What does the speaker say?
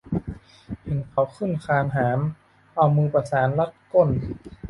เห็นเขาขึ้นคานหาม เอามือประสานรัดก้น